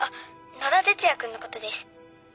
野田哲也君のことです。